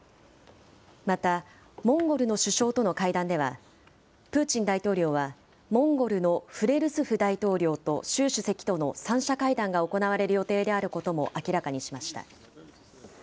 また、モンゴルの首相との会談では、プーチン大統領はモンゴルのフレルスフ大統領と習主席との３者会談が行われる予定であることも明らかにしました。